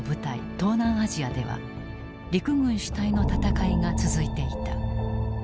東南アジアでは陸軍主体の戦いが続いていた。